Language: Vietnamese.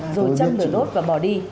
rồi châm lửa đốt và bỏ đi